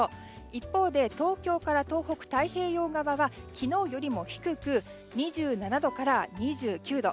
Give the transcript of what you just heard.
一方で、東京から東北太平洋側は昨日よりも低く２７度から２９度。